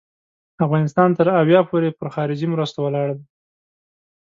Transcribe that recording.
افغانستان تر اویا پوري پر خارجي مرستو ولاړ دی.